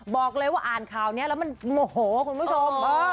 บอกเลยว่าอ่านข่าวนี้แล้วมันโมโหคุณผู้ชม